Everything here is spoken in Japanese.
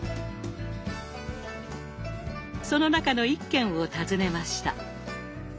その中の一軒を訪ねました。